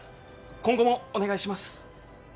今後もお願いします